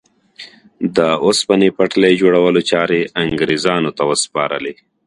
د اوسپنې پټلۍ جوړولو چارې انګرېزانو ته وسپارلې.